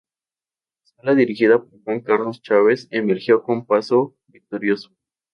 La escuadra dirigida por Juan Carlos Chávez emergió con paso victorioso.